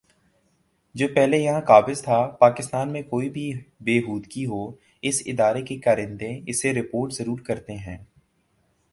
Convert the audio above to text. جو پہلے یہاں قابض تھا پاکستان میں کوئی بھی بے ہودگی ہو اس ادارے کے کارندے اسے رپورٹ ضرور کرتے ہیں